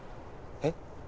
えっ？